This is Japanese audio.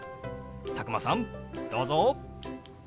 佐久間さんどうぞ！